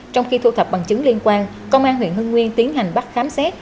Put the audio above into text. trong khi thu thập bằng chứng liên quan công an huyện hưng nguyên tiến hành bắt khám xét